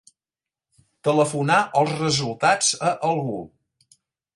Telefonar els resultats a algú.